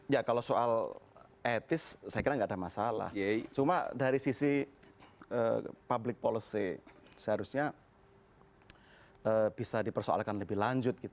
ya kalau soal etis saya kira nggak ada masalah cuma dari sisi public policy seharusnya bisa dipersoalkan lebih lanjut